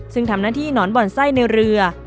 ซึ่งทำหน้าที่หนอนบ่อนไส้ในเรือ